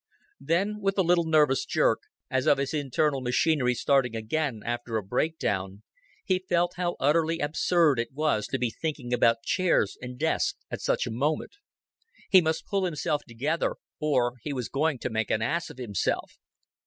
Then, with a little nervous jerk, as of his internal machinery starting again after a breakdown, he felt how utterly absurd it was to be thinking about chairs and desks at such a moment. He must pull himself together, or he was going to make an ass of himself.